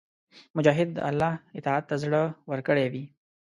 مجاهد د الله اطاعت ته زړه ورکړی وي.